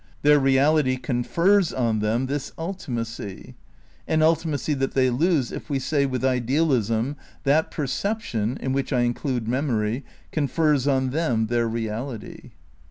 Their reality confers on them this ultimacy ; an ultimacy that they lose if we say with idealism that perception (in which I include memory) confers on them their reality.